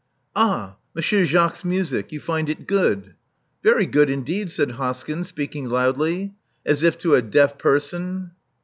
"Ah? Monsieur Jacques's music. You find it goodh." "Very good indeed," said Hoskyn, speaking loudly, as if to a deaf person.